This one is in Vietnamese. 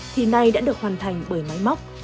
thì nay đã được hoàn thành bởi máy móc